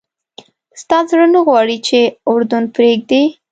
ستا زړه نه غواړي چې اردن پرېږدې.